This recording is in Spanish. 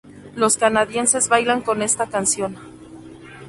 Los canadienses bailan con esta canción".